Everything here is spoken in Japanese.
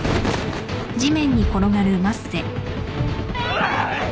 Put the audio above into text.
おい！